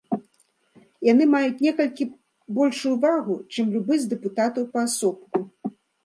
Яны маюць некалькі большую вагу, чым любы з дэпутатаў паасобку.